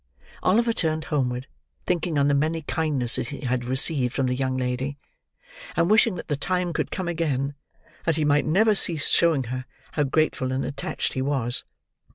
Oliver turned homeward, thinking on the many kindnesses he had received from the young lady, and wishing that the time could come again, that he might never cease showing her how grateful and attached he was.